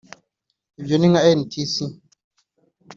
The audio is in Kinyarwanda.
Ibyo ni nka nts